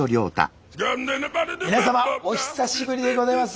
皆様おひさしぶりでございます。